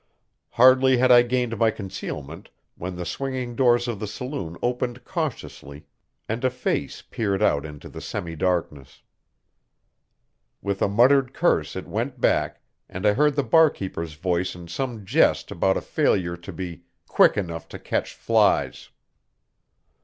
Hardly had I gained my concealment when the swinging doors of the saloon opened cautiously, and a face peered out into the semi darkness. With a muttered curse it went back, and I heard the barkeeper's voice in some jest about a failure to be "quick enough to catch flies."